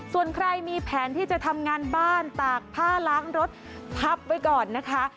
ส่วนใครมีแผนที่จะทำงานบ้านตากผ้าล้างรถพับไว้ก่อนนะคะ